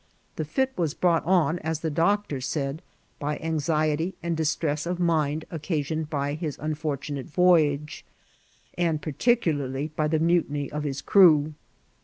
The fit was brought on, as the doctor said, by anxiety and distress of mind oc CMoned by his unfortunate voyage, and particularly by the mutiny of his crew.